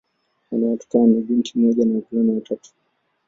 Wana watoto wanne: binti mmoja na wavulana watatu.